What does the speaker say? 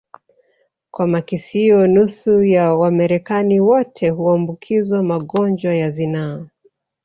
kwa makisio nusu ya Wamarekani wote huambukizwa magonjwa ya zinaa